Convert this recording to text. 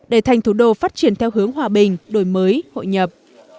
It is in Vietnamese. để thành thủ đô phát triển theo hướng hòa bình đổi mới hội nhập